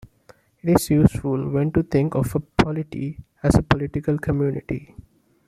It is useful, then, to think of a polity as a political community.